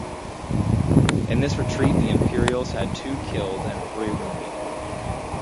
In this retreat the imperials had two killed and three wounded.